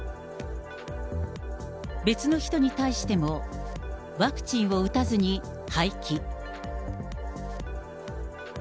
別の人に対しても、ワクチンを打たずに廃棄。